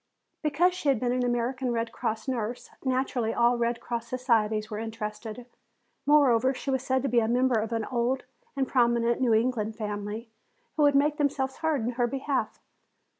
Because she had been an American Red Cross nurse, naturally all Red Cross societies were interested. Moreover, she was said to be a member of an old and prominent New England family, who would make themselves heard in her behalf.